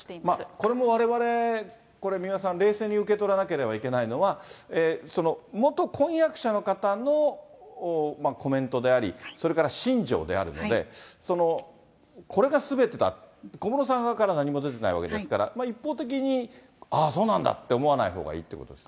これもわれわれ、これ、三輪さん、冷静に受け取らなければいけないのは、元婚約者の方のコメントであり、それから心情であるので、これがすべてだ、小室さん側から何も出ていないわけですから、一方的に、ああ、そうなんだと思わないほうがいいってことですか。